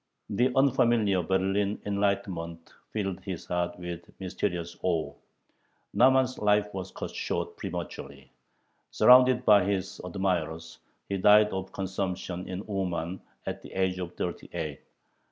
The unfamiliar Berlin "enlightenment" filled his heart with mysterious awe. Nahman's life was cut short prematurely. Surrounded by his admirers, he died of consumption, in Uman, at the age of thirty eight.